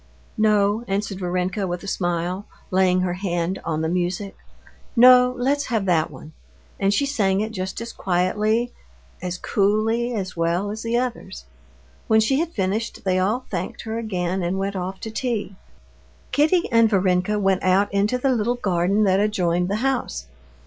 "No," answered Varenka with a smile, laying her hand on the music, "no, let's have that one." And she sang it just as quietly, as coolly, and as well as the others. When she had finished, they all thanked her again, and went off to tea. Kitty and Varenka went out into the little garden that adjoined the house.